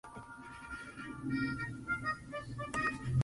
Tu cuerpo, tu armadura- todo quemado y convertido en cristal.